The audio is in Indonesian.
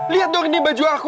lihat dong ini baju aku